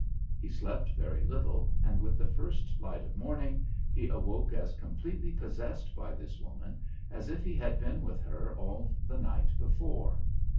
He slept very little, and with the first light of morning he awoke as completely possessed by this woman as if he had been with her all the night before.